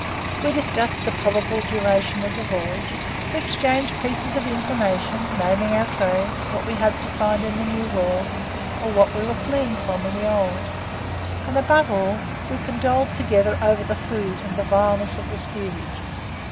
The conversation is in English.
We discussed the probable duration of the voyage, we exchanged pieces of information, naming our trades, what we hoped to find in the new world, or what we were fleeing from in the old; and, above all, we condoled together over the food and the vileness of the steerage.